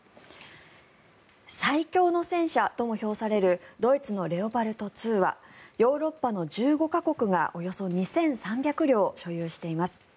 最強の戦車とも評されるドイツのレオパルト２はヨーロッパの１５か国がおよそ２３００両所有しています。